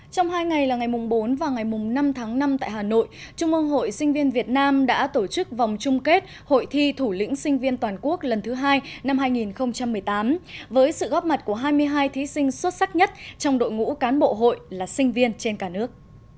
trong hai ngày là ngày bốn và ngày năm tháng năm tại hà nội trung ương hội sinh viên việt nam đã tổ chức vòng chung kết hội thi thủ lĩnh sinh viên toàn quốc lần thứ hai năm hai nghìn một mươi tám với sự góp mặt của hai mươi hai thí sinh xuất sắc nhất trong đội ngũ cán bộ hội là sinh viên trên cả nước